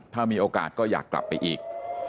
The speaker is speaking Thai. ถ้ามีโอกาสก็อยากกลับไปอีก